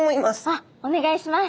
あっお願いします。